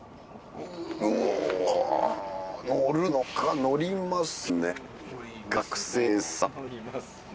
うわ乗るのか乗りますね。